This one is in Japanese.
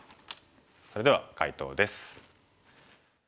それでは解答です。